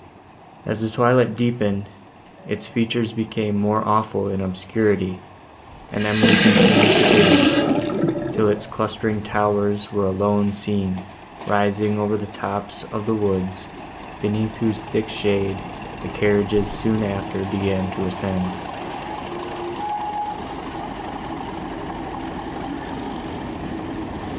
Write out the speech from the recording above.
As the twilight deepened, its features became more awful in obscurity, and Emily continued to gaze, till its clustering towers were alone seen, rising over the tops of the woods, beneath whose thick shade the carriages soon after began to ascend.